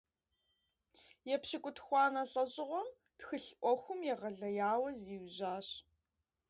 Епщыкӏутхуанэ лӏэщӏыгъуэм тхылъ ӏуэхум егъэлеяуэ зиужьащ.